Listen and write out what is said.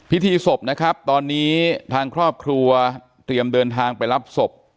พิธีศพนะครับตอนนี้ทางครอบครัวเตรียมเดินทางไปรับศพ